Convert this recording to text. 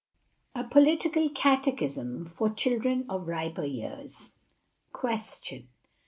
_" A POLITICAL CATECHISM FOR CHILDREN OF RIPER YEARS. Question.